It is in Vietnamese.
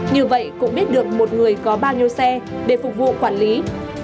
như vậy cũng biết được một người có bao nhiêu xe để phục vụ quản lý